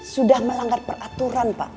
sudah melanggar peraturan pak